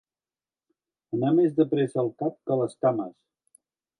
Anar més de pressa el cap que les cames.